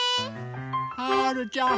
はるちゃん